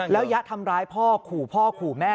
แล้วยะทำร้ายพ่อขู่พ่อขู่แม่